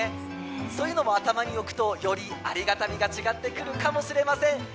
そういうのも頭に置くとよりありがたみが違ってくるかもしれません。